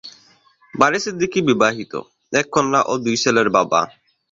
বারী সিদ্দিকী বিবাহিত, এক কন্যা ও দুই ছেলের বাবা।